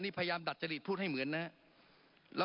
นี่พยายามดัดจริตพูดให้เหมือนนะครับ